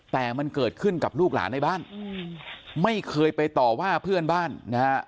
แต่มันเกิดขึ้นกับลูกหลานในบ้านไม่เคยไปต่อว่าเพื่อนบ้านนะฮะ